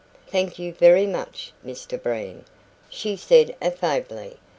"Thank you very much, Mr Breen," she said affably.